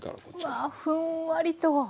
うわふんわりと。